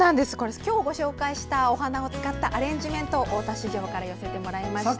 今日ご紹介したお花を使ったアレンジメントを大田市場から寄せてもらいました。